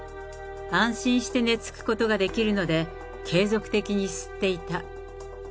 安心して寝付くことができるので、継続的に吸っていた。